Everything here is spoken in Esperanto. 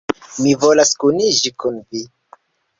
Mi volas kuniĝi kun vi!